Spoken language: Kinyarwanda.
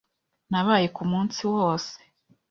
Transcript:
Nabaye ku munsi wose.